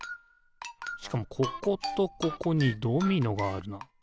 しかもこことここにドミノがあるな。